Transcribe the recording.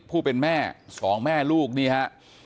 ผู้เป็นแม่สองแม่ลูกนี่ฮะ